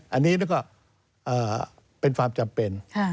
อันนี้ก็เป็นความจำเป็น